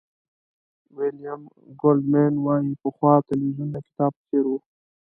ویلیام گولډمېن وایي پخوا تلویزیون د کتاب په څېر و.